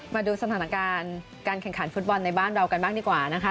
มาดูสถานการณ์การแข่งขันฟุตบอลในบ้านเรากันบ้างดีกว่านะคะ